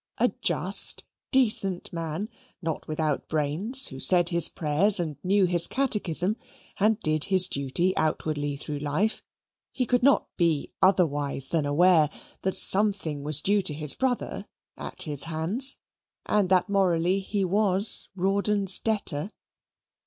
A just, decent man, not without brains, who said his prayers, and knew his catechism, and did his duty outwardly through life, he could not be otherwise than aware that something was due to his brother at his hands, and that morally he was Rawdon's debtor.